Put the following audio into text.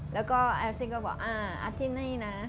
แล้วเอลซี่ก็บอกอาทิตย์นี้นะ